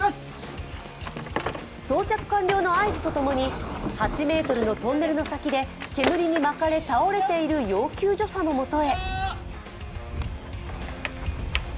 装着完了の合図とともに、８ｍのトンネルの先で煙に巻かれ倒れている要救助者のもとへ。